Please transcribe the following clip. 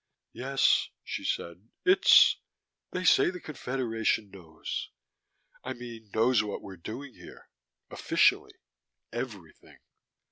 "Yes," she said. "It's they say the Confederation knows. I mean knows what we're doing here. Officially. Everything."